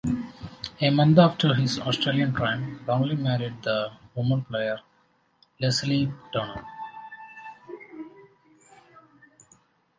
A month after his Australian triumph Bowrey married the women's player Lesley Turner.